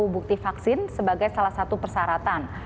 bukti vaksin sebagai salah satu persyaratan